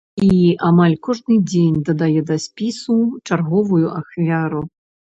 І амаль кожны дзень дадае да спісу чарговую ахвяру.